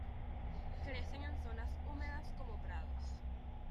Crecen en zonas húmedas como prados.